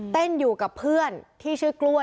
อยู่กับเพื่อนที่ชื่อกล้วย